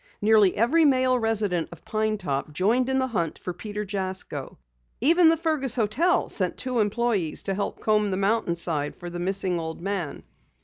Nearly every male resident of Pine Top joined in the hunt for Peter Jasko. Even the Fergus hotel sent two employes to help comb the mountainside for the missing old man.